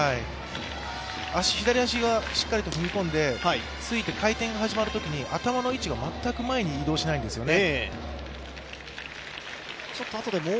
左足がしっかりと踏み込んで、回転が始まるときに頭の位置が全く前に移動しないんですよね。